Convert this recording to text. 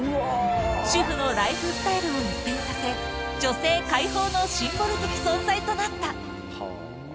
主婦のライフスタイルを一変させ、女性解放のシンボル的存在となった。